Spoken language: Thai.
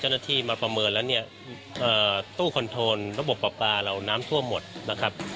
เจ้าหน้าที่มาประเมินแล้วเนี่ยตู้คอนโทนระบบปลาปลาเราน้ำท่วมหมดนะครับ